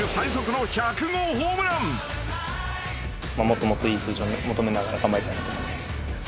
もっともっといい数字を求めながら頑張りたいなと思います。